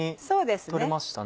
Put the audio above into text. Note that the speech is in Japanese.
そうですね。